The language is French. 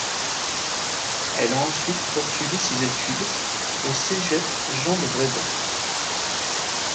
Elle a ensuite poursuivie ses études au Cégep Jean-de-Brébeuf.